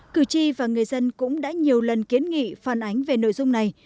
cử tri và người dân cũng đã nhiều lần kiến nghị phản ánh về nội dung này